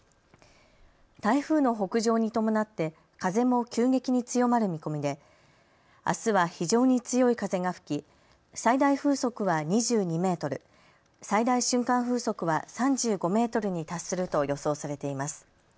台風の北上に伴って風も急激に強まる見込みであすは非常に強い風が吹き最大風速は２２メートル、最大瞬間風速は３５メートルに達すると予想されています。